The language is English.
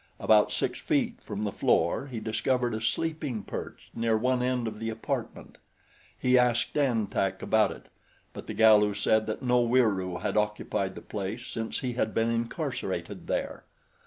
About six feet from the floor he discovered a sleeping perch near one end of the apartment. He asked An Tak about it, but the Galu said that no Weiroo had occupied the place since he had been incarcerated there.